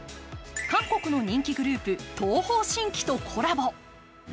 韓国の人気グループ、東方神起とコラボ。